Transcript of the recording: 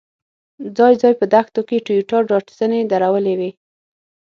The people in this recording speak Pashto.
ځای ځای په دښتو کې ټویوټا ډاډسنې درولې وې.